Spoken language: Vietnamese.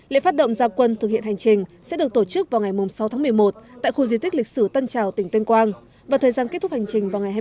lễ phát động gia quân thực hiện hành trình sẽ được tổ chức vào ngày sáu tháng một mươi một tại khu di tích lịch sử tân trào tỉnh tên quang và thời gian kết thúc hành trình vào ngày hai mươi hai tháng một mươi hai